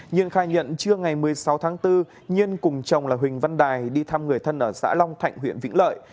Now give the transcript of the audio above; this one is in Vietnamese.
nhân khai nhận trưa ngày một mươi sáu tháng bốn nhiên cùng chồng là huỳnh văn đài đi thăm người thân ở xã long thạnh huyện vĩnh lợi